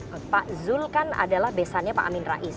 pak zul kan adalah besannya pak amin rais